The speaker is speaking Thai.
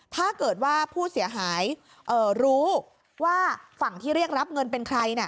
ถ้าเกิดว่าผู้เสียหายรู้ว่าฝั่งที่เรียกรับเงินเป็นใคร